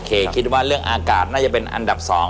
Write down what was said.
คิดว่าเรื่องอากาศน่าจะเป็นอันดับ๒